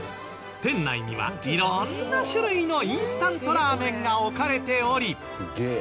店内には色んな種類のインスタントラーメンが置かれており。